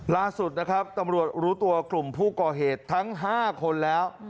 ล่าสุดนะครับตำรวจรู้ตัวกลุ่มผู้ก่อเหตุทั้ง๕คนแล้ว